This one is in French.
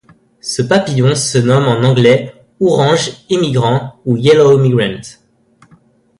Ce papillon se nomme en anglais Orange Emigrant ou Yellow Migrant.